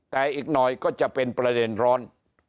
แต่อีกหน่อยก็จะเป็นประเด็นร้อน